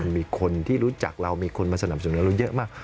มีคนที่รู้จักเรามีคนมาสนับสนุนเราเยอะมาก